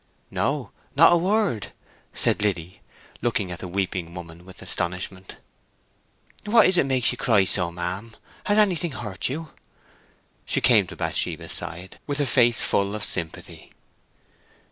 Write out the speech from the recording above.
"No—not a word!" said Liddy, looking at the weeping woman with astonishment. "What is it makes you cry so, ma'am; has anything hurt you?" She came to Bathsheba's side with a face full of sympathy.